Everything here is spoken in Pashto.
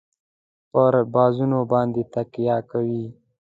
پر بازو باندي تکیه کوي.